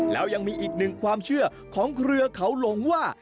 แล้วยังมีอีกหนึ่งความเชื่อของเครือเขาหลงว่า